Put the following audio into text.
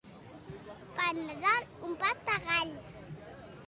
Per Nadal, un pas de gall.